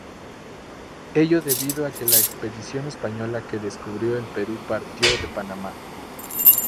Ello debido a que la expedición española que descubrió el Perú partió de Panamá.